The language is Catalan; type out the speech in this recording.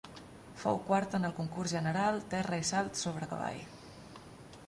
Fou quarta en el concurs general, terra i salt sobre cavall.